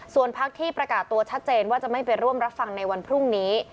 ส่วนพักที่ประกาศตัวชัดเจนว่าจะไม่ไปร่วมรับฟังในวันพรุ่งนี้